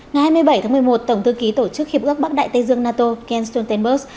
ngày hai mươi bảy tháng một mươi một tổng thư ký tổ chức hiệp ước bắc đại tây dương nato ken stoltenberg